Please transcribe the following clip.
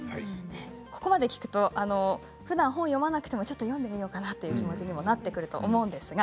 ここまで聞くとふだん本を読まなくてもちょっと読んでみようかなという気持ちになってくると思います。